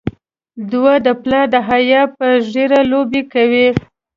دوی د پلار د حیا په ږیره لوبې کوي.